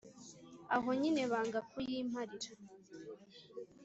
Aho nyine banga kuyimparira!